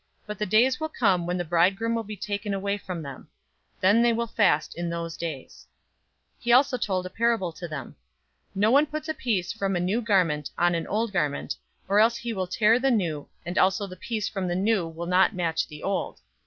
005:035 But the days will come when the bridegroom will be taken away from them. Then they will fast in those days." 005:036 He also told a parable to them. "No one puts a piece from a new garment on an old garment, or else he will tear the new, and also the piece from the new will not match the old.